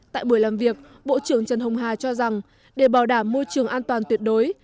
tại buổi làm việc bộ trưởng trần hồng hà cho rằng để bảo đảm môi trường an toàn tuyệt đối